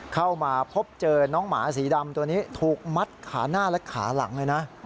เข้ามาพบเจอน้องหมาสีดำตัวนี้ถูกมัดขาหน้าและขาหลังเลยนะ